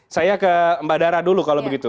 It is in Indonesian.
saya ke mbak dara dulu kalau begitu